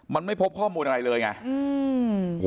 มันไม่พบข้อมูลอะไรเลยไง